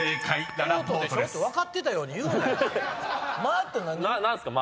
分かってたように言うなよ。